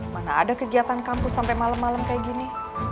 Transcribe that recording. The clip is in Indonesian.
mana ada kegiatan kampus sampe malem malem kayak gini